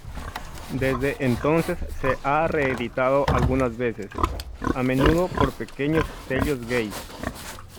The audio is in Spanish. Desde entonces se han re-editado algunas veces, a menudo por pequeños sellos gays.